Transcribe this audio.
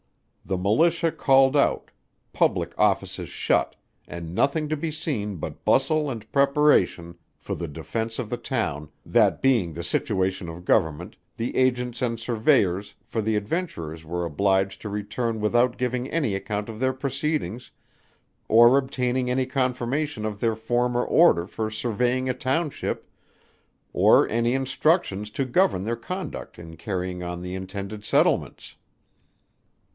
The militia called out; public offices shut, and nothing to be seen but bustle and preparation for the defence of the town, that being the situation of Government, the agents and surveyors, for the adventurers were obliged to return without giving any account of their proceedings, or obtaining any confirmation of their former order for surveying a township, or any instructions to govern their conduct in carrying on the intended settlements.